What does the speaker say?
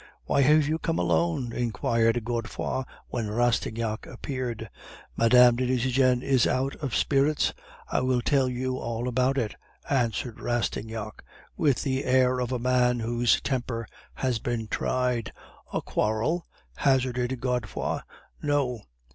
'Why have you come alone?' inquired Godefroid when Rastignac appeared. 'Mme. de Nucingen is out of spirits; I will tell you all about it,' answered Rastignac, with the air of a man whose temper has been tried. 'A quarrel?' hazarded Godefroid. 'No.